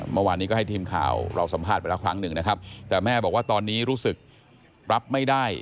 เมื่อวานนี้ก็ให้ทีมข่าวเราสัมภาษณ์ไปแล้วครั้งหนึ่งนะครับแต่แม่บอกว่าตอนนี้รู้สึกรับไม่ได้